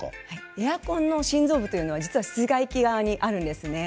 エアコンの心臓部は実は室外機側にあるんです。